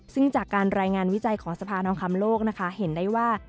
ซึ่งจากการรายงานวิจัยของสภาทองคำโลกนะคะเห็นได้ว่า